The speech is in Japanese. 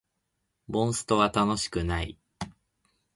モンストは楽しくない